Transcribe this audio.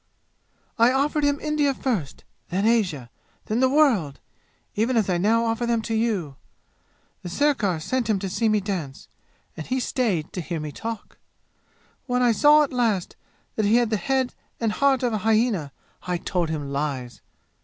"I offered him India first, then Asia, then the world even as I now offer them to you. The sirkar sent him to see me dance, and he stayed to hear me talk. When I saw at last that he has the head and heart of a hyena I told him lies.